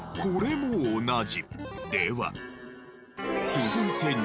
これも同じ。